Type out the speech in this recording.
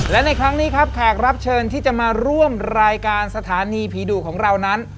และในครั้งนี้ครับแขกรับเชิญที่จะมาร่วมรายการสถานีผีดุของเรานั้น